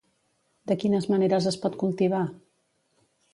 De quines maneres es pot cultivar?